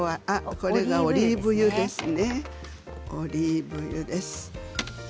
これがオリーブ油ですね。